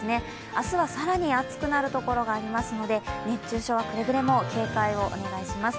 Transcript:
明日は更に暑くなるところがありますので熱中症はくれぐれも警戒をお願いします。